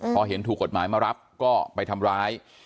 พอเห็นถูกกฎหมายมารับก็ไปทำร้าย